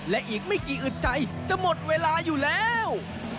และอีกไม่กี่อึดใจจะหมดเวลาอยู่แล้ว